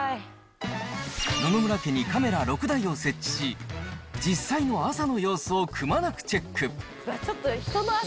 野々村家にカメラ６台を設置し、実際の朝の様子をくまなくチェック。